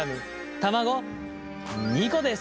卵２個です。